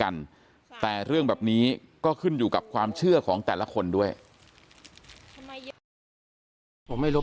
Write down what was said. ผมไม่รบรูและเชื่อด้วยครับ